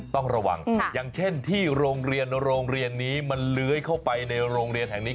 ต้องระวังอย่างเช่นที่โรงเรียนโรงเรียนนี้มันเลื้อยเข้าไปในโรงเรียนแห่งนี้